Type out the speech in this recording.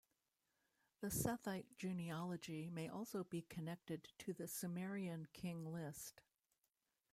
The Sethite genealogy may also be connected to the Sumerian King List.